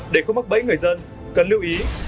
để khuôn mắc bẫy người dân cần lưu ý